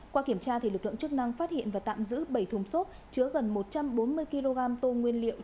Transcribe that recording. qua kiểm tra lực lượng chức năng phát hiện và tạm giữ bảy thùng xốp chứa gần một trăm bốn mươi kg tôm nguyên liệu